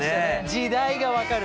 時代が分かる。